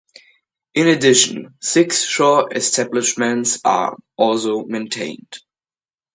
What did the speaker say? In addition, six shore establishments are also maintained.